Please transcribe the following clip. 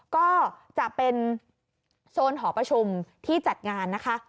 ก็จะเป็นโซนหอประชุมที่จัดงานนะคะ